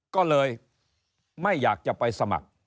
ก็เลยไม่อยากจะไปสมัคร